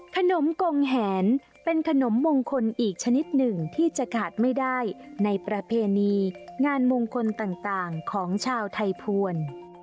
โครงกงแหนเป็นขนมมงคลอีกชนิดหนึ่งที่จะขาดไม่ได้ในประเพณีงานมงคลต่างของชาวไทยภวร